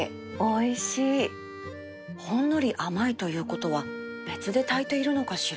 ほんのり甘いということは別で炊いているのかしら？